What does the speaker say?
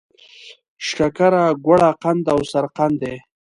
شکره، ګوړه، قند او سرقند دي.